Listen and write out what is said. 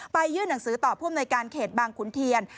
ไปยื่นหนังสือต่อพรุ่งในการเขตบางคุณเทียน